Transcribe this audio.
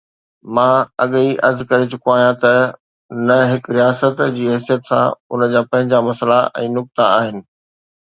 مان اڳيئي عرض ڪري چڪو آهيان ته نه، هڪ رياست جي حيثيت سان ان جا پنهنجا مسئلا ۽ نقطا آهن.